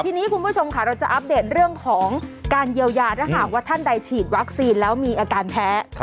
ทีนี้คุณผู้ชมค่ะเราจะอัปเดตเรื่องของการเยียวยาถ้าหากว่าท่านใดฉีดวัคซีนแล้วมีอาการแพ้